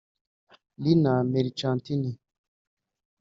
Lina Mercantini